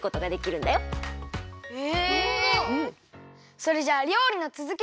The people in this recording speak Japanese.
それじゃありょうりのつづき！